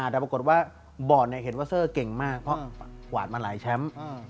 แต่ปรากฏว่าบอร์ดเห็นว่าเซอร์เก่งมากเพราะกวาดมาหลายแชมป์